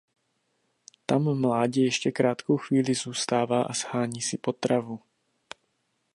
Tam mládě ještě krátkou chvíli zůstává a shání si potravu.